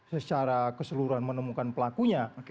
secara keseluruhan menemukan pelakunya